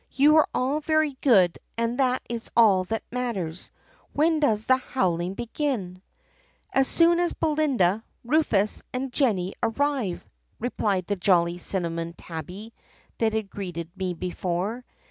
You are all very good and that is all that matters. When does the howling begin*?' " 'As soon as Belinda, Rufus, and Jennie arrive,' replied the jolly cinnamon tabby that had greeted me before.